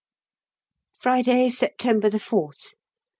_Friday, September 4th.